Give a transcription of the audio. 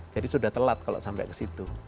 jadi sudah telat kalau sampai ke situ